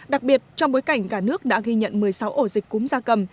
đặc biệt trong bối cảnh cả nước đã ghi nhận một mươi sáu ổ dịch cúm gia cầm